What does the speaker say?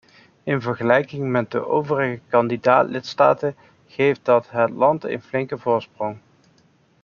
In vergelijking met de overige kandidaat-lidstaten geeft dat het land een flinke voorsprong.